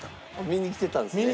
見に来てたんですね。